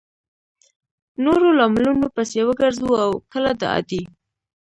نورو لاملونو پسې وګرځو او کله د عادي